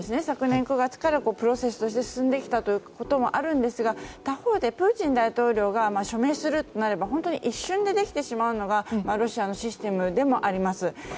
昨年９月からプロセスとして進んできたということもあるんですが他方、プーチン大統領が署名するとなれば本当に一瞬でできてしまうのがロシアのシステムでもあります。